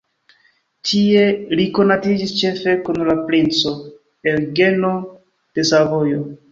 Tie li konatiĝis, ĉefe kun la princo Eŭgeno de Savojo.